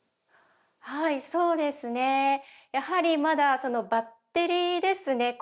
はいそうですね。やはりまだバッテリーですね